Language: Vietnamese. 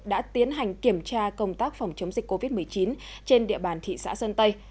đã tiến hành kiểm tra công tác phòng chống dịch covid một mươi chín trên địa bàn thị xã sơn tây